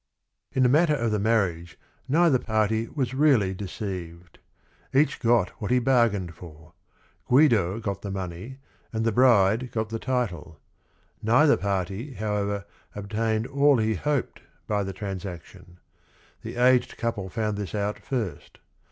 In t he matter of the marriage neither party w as really deceived. Each got what he bargained for. Guido got the money and the bride got the title. Neither party, however, obtained all he hoped by the transaction. The aged couple found this out first.